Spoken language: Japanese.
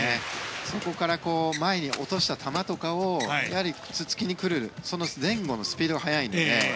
そこから前に落とした球とかをつつきに来る前後のスピードが速いんですね。